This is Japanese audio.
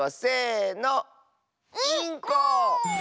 インコ！